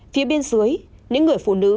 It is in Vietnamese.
phía bên dưới những người phụ nữ